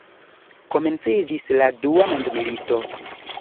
Komenciĝis la dua mondmilito.